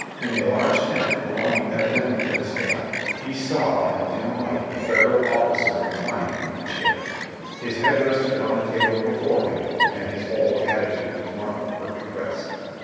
In a large tent, belonging evidently to the staff, he saw in the dim light a Federal ofiicer reclining in a chair; his head rested on the table before him and his whole attitude was one of perfect rest.